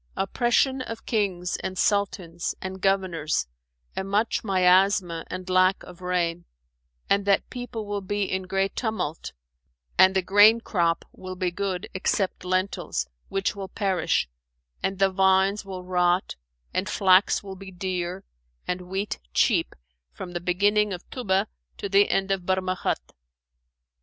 oppression of kings and sultans and governors and much miasma and lack of rain; and that people will be in great tumult and the grain crop will be good, except lentils, which will perish, and the vines will rot and flax will be dear and wheat cheap from the beginning of Tϊbah to the end of Barmahαt.